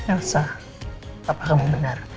elsa papa kamu benar